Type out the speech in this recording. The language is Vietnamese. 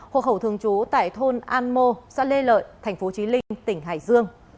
hộ khẩu thường trú tại thôn an mô xã lê lợi thành phố trí linh tỉnh hải dương